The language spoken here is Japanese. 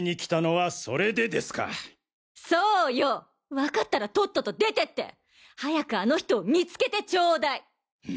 わかったらとっとと出てって早くあの人を見つけてちょうだい！